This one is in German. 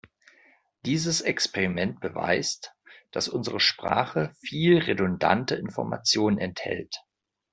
Dieses Experiment beweist, dass unsere Sprache viel redundante Information enthält.